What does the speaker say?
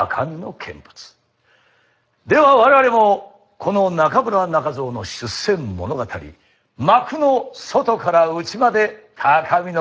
では我々もこの中村仲蔵の出世物語幕の外から内まで高みの見物とまいりましょう。